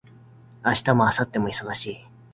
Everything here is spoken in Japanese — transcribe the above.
明日も明後日も忙しい